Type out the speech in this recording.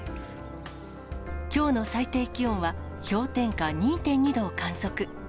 きょうの最低気温は氷点下２．２度を観測。